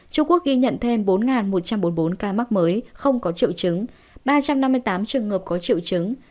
trung quốc ghi nhận thêm bốn một trăm bốn mươi bốn ca mắc mới không có triệu chứng ba trăm năm mươi tám trường hợp có triệu chứng